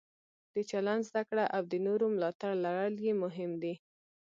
د چلند زده کړه او د نورو ملاتړ لرل یې مهم دي.